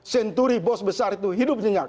senturi bos besar itu hidup nyenyak